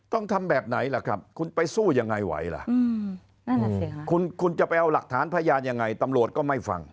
ต้องทำแบบไหนล่ะครับคุณไปสู้ยังไงไหวล่ะคุณจะไปเอาหลักฐานพยานยังไงตำรวจก็ไม่ฟัง